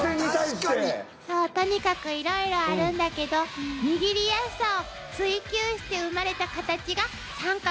とにかくいろいろあるんだけど握りやすさを追求して生まれたカタチが三角。